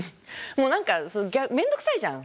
もう何か面倒くさいじゃん。